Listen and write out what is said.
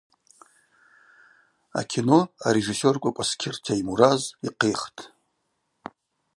Акино арежиссер Кӏвакӏваскьыр Теймураз йхъихтӏ.